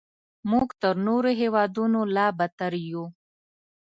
موږ تر نورو هیوادونو لا بدتر یو.